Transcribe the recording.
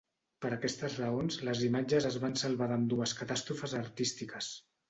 Per aquestes raons, les imatges es van salvar d'ambdues catàstrofes artístiques.